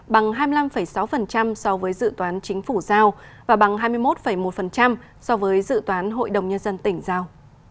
bằng hai mươi năm sáu so với dự toán chính phủ giao và bằng hai mươi một một so với dự toán hội đồng nhân dân tỉnh giao